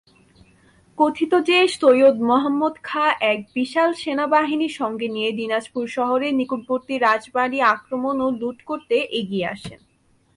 কথিত যে, সৈয়দ মহম্মদ খাঁ এক বিশাল সেনাবাহিনী সঙ্গে নিয়ে দিনাজপুর শহরে নিকটবর্তী রাজবাড়ি আক্রমণ ও লুঠ করতে এগিয়ে আসেন।